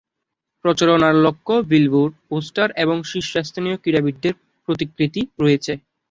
প্রচারণার লক্ষ্যে billboard, poster এবং শীর্ষস্থানীয় ক্রীড়াবিদদের প্রতিকৃতি রয়েছে।